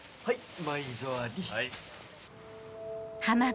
はい。